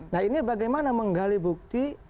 nah ini bagaimana menggali bukti